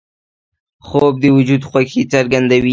خوب د وجود خوښي څرګندوي